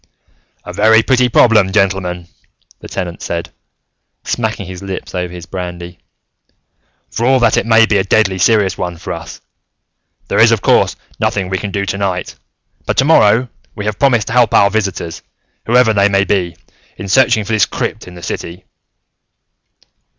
"A very pretty problem, gentlemen," the Tenant said, smacking his lips over his brandy, "for all that it may be a deadly serious one for us. There is, of course, nothing we can do tonight. But, tomorrow, we have promised to help our visitors, whoever they may be, in searching for this crypt in the city.